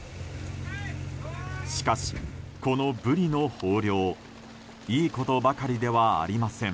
しかし、このブリの豊漁いいことばかりではありません。